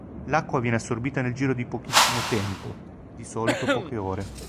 L'acqua viene assorbita nel giro di pochissimo tempo, di solito poche ore.